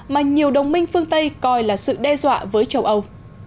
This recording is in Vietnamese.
mà nhiều đồng minh phương tây coi là sự đe dọa với châu âu